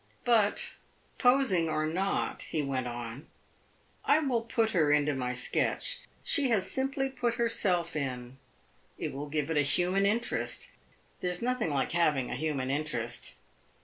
"But posing or not," he went on, "I will put her into my sketch. She has simply put herself in. It will give it a human interest. There is nothing like having a human interest."